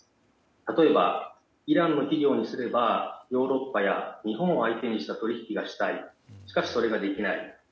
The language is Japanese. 例えばイランからしてみてらヨーロッパや日本を相手にした取引がしたいしかしそれができない。